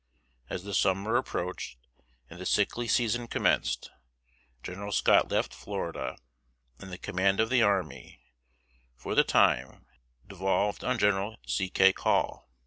As the summer approached and the sickly season commenced, General Scott left Florida, and the command of the army, for the time, devolved on General C. K. Call.